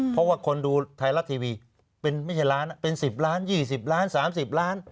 เพราะว่าคนดูไทยรัฐทีวีเป็นไม่ใช่ล้านเป็น๑๐ล้าน๒๐ล้าน๓๐ล้าน